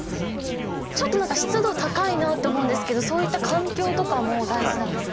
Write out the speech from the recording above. ちょっとなんか湿度高いなと思うんですけど、そういった環境とかも大事なんですか。